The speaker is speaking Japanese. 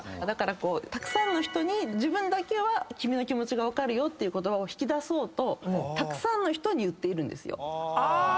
だからたくさんの人に「自分だけは気持ちが分かるよ」ていう言葉を引き出そうとたくさんの人に言ってるんです。